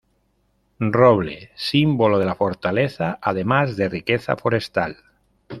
Roble: símbolo de la fortaleza, además de riqueza forestal.